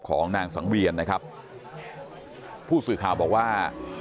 ของนางสังเวียนนะครับผู้สื่อข่าวบอกว่า